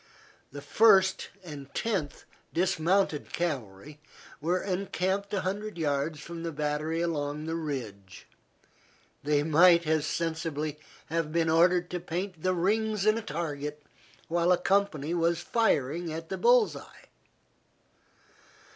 The First and Tenth dismounted Cavalry were encamped a hundred yards from the battery along the ridge. They might as sensibly have been ordered to paint the rings in a target while a company was firing at the bull's eye.